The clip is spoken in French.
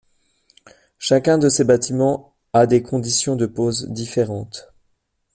Chacun de ces bâtiments a des conditions de pose différentes.